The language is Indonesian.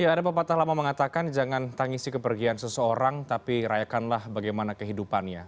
ada bapak talama mengatakan jangan tangisi kepergian seseorang tapi rayakanlah bagaimana kehidupannya